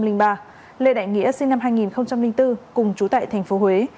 lê đại nghĩa sinh năm hai nghìn bốn cùng chú tại tp huế